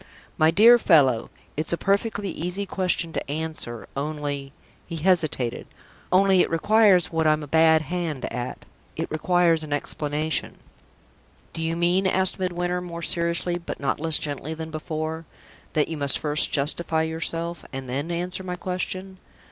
"My dear fellow, it's a perfectly easy question to answer. Only" he hesitated "only it requires what I'm a bad hand at: it requires an explanation." "Do you mean," asked Midwinter, more seriously, but not less gently than before, "that you must first justify yourself, and then answer my question?"